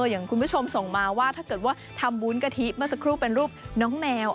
อย่างคุณผู้ชมส่งมาว่าถ้าเกิดว่าทำวุ้นกะทิเมื่อสักครู่เป็นรูปน้องแมว